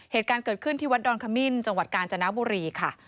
เหตุการณ์เกิดขึ้นที่วัดดอนขมิ้นจังหวัดกาญจนบุรีค่ะ